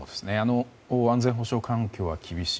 安全保障環境は厳しい。